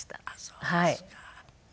そうですか。